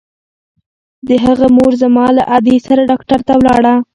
د هغه مور زما له ادې سره ډاکتر ته ولاړه.